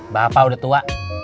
bapak udah tua